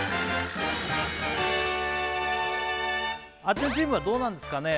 あっちのチームはどうなんですかね